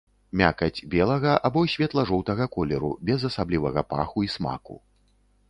Мякаць белага або светла-жоўтага колеру, без асаблівага паху і смаку.